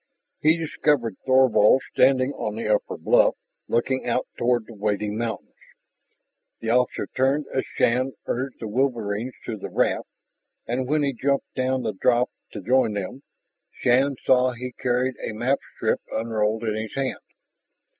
He discovered Thorvald standing on the upper bluff, looking out toward the waiting mountains. The officer turned as Shann urged the wolverines to the raft, and when he jumped down the drop to join them, Shann saw he carried a map strip unrolled in his hand.